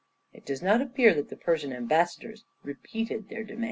It does not appear that the Persian ambassadors repeated their demand.